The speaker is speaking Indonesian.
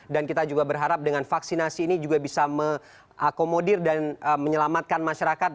dan kita juga berharap dengan vaksinasi ini juga bisa mengakomodir dan menyelamatkan masyarakat